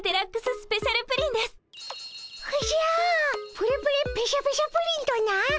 プレプレペシャペシャプリンとな！